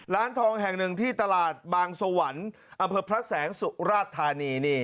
ร้านทองแห่งหนึ่งที่ตลาดบางสวรรค์อำเภอพระแสงสุราชธานีนี่